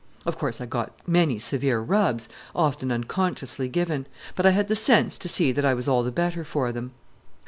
Of course I got many severe rubs, often unconsciously given; but I had the sense to see that I was all the better for them.